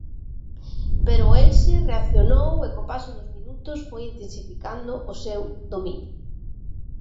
Pero o Elxe reaccionou e co paso dos minutos foi intensificando o seu dominio.